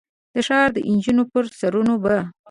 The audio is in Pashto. د ښار د نجونو پر سرونو به ،